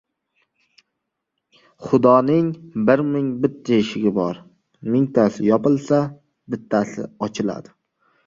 • Xudoning bir ming bitta eshigi bor: mingtasi yopilsa, bittasi ochiladi.